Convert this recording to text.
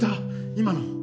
今の。